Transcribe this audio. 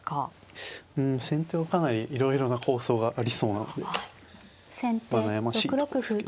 うん先手はかなりいろいろな構想がありそうなのでまあ悩ましいとこですけど。